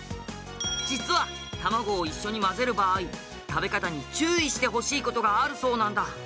実は卵を一緒に混ぜる場合食べ方に注意してほしい事があるそうなんだ。